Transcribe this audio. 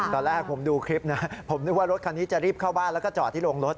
ตอนแรกผมดูคลิปนะผมนึกว่ารถคันนี้จะรีบเข้าบ้านแล้วก็จอดที่โรงรถ